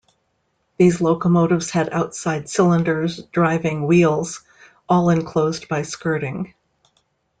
These locomotives had outside cylinders driving wheels; all enclosed by skirting.